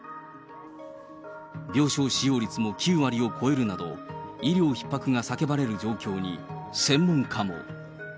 病床使用率も９割を超えるなど、医療ひっ迫が叫ばれる状況に、専門家も。